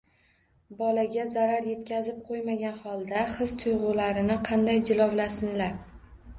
Bolaga zarar yetkazib qo‘ymagan holda his-tuyg‘ularini qanday jilovlasinlar?